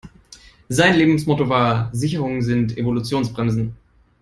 Sein Lebensmotto war: Sicherungen sind Evolutionsbremsen.